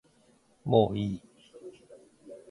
もういい